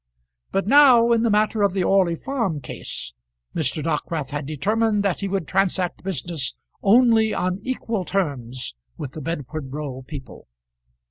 But now, in the matter of the Orley Farm Case, Mr. Dockwrath had determined that he would transact business only on equal terms with the Bedford Row people.